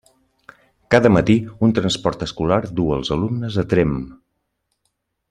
Cada matí un transport escolar du els alumnes a Tremp.